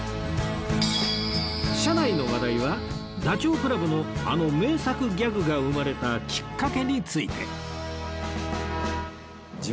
車内の話題はダチョウ倶楽部のあの名作ギャグが生まれたきっかけについて